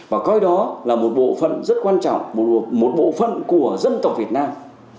và coi đó là một bộ phận rất quan trọng một bộ phận của dân tộc việt nam